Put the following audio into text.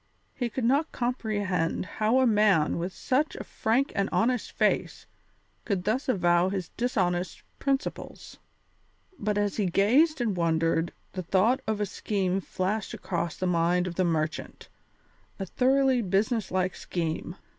He could not comprehend how a man with such a frank and honest face could thus avow his dishonest principles. But as he gazed and wondered the thought of a scheme flashed across the mind of the merchant, a thoroughly business like scheme.